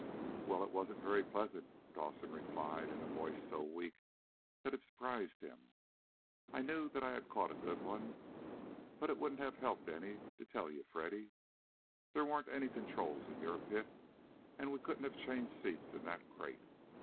"Well, it wasn't very pleasant," Dawson replied in a voice so weak that it surprised him. "I knew that I had caught a good one, but it wouldn't have helped any to tell you, Freddy. There weren't any controls in your pit. And we couldn't have changed seats in that crate.